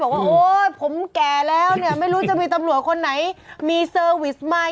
โอ๊ยผมแก่แล้วเนี่ยไม่รู้จะมีตำรวจคนไหนมีเซอร์วิสไหม